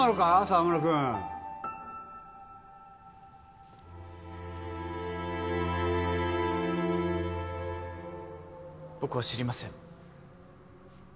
沢村君僕は知りません